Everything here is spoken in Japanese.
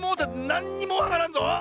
なんにもわからんぞ！